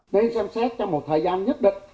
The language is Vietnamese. để xem xét trong một thời gian nhất định